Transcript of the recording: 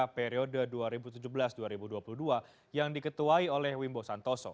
periode dua ribu tujuh belas dua ribu dua puluh dua yang diketuai oleh wimbo santoso